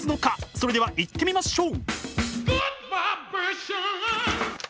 それではいってみましょう。